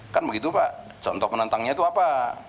kan begitu pak contoh penantangnya itu apa